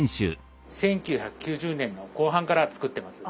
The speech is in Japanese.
１９９０年の後半から作ってます。